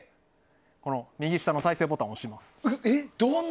右下の再生ボタンを押します。